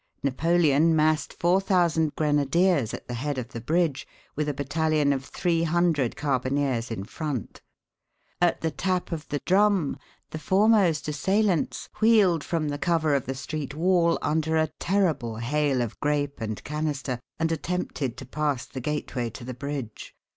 Napoleon massed four thousand grenadiers at the head of the bridge, with a battalion of three hundred carbineers in front. At the tap of the drum the foremost assailants wheeled from the cover of the street wall under a terrible hail of grape and canister, and attempted to pass the gateway to the bridge.